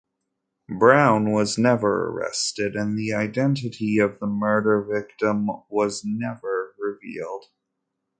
Brown was never arrested, and the identity of the murder victim was never revealed.